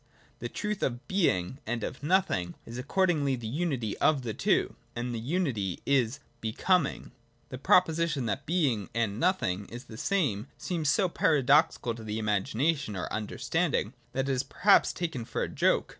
The truth of Being and of Nothing is accordingly the unity of the two : and this unity is Becoming. (i) The proposition that Being and Nothing is^ the same seems so paradoxical to the imagination or under standing, that it is perhaps taken for a joke.